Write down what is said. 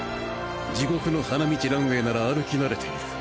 地獄の花道ランウェイなら歩き慣れている。